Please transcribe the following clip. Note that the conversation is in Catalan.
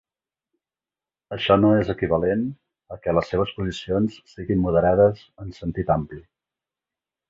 Això no és equivalent a que les seves posicions siguin moderades en sentit ampli.